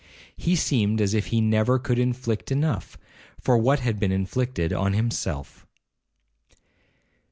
He seemed as if he never could inflict enough, for what had been inflicted on himself.